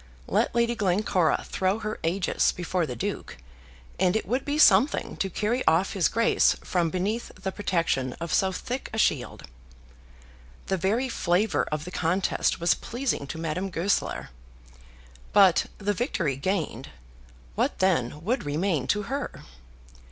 Let Lady Glencora throw her ægis before the Duke, and it would be something to carry off his Grace from beneath the protection of so thick a shield. The very flavour of the contest was pleasing to Madame Goesler. But, the victory gained, what then would remain to her?